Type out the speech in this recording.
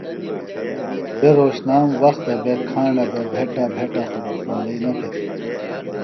بےۡ رہوتشنام وختہ بےۡ کھاݨہ بےۡ بھیٹہ بھیٹہ خوۡ ڈولئی نہ پھیدیلیۡ